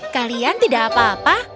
kalian tidak apa apa